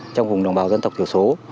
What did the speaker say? trong vùng đồng bào dân tộc thiểu số